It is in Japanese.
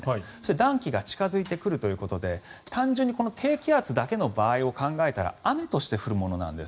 暖気が近付いてくるということで単純に低気圧だけの場合を考えたら雨として降るものなんです。